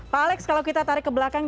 pak alex kalau kita tarik ke belakang